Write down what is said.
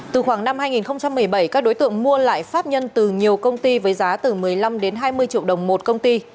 từ khoảng năm hai nghìn một mươi bảy các đối tượng mua lại pháp nhân từ nhiều công ty với giá từ một mươi năm đến hai mươi triệu đồng một công ty